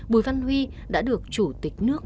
bùi văn huy đã được chủ tịch nước